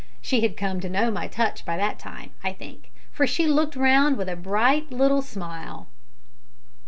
She had come to know my touch by that time, I think, for she looked round with a bright little smile.